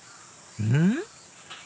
うん？